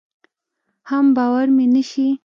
حم باور مې نشي.